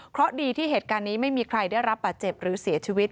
เพราะดีที่เหตุการณ์นี้ไม่มีใครได้รับบาดเจ็บหรือเสียชีวิต